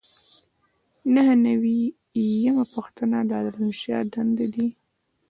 نهه نوي یمه پوښتنه د دارالانشا دندې دي.